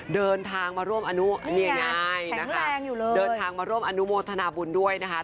เดินทางมาร่วมอนุมธนบุญด้วยนะคะ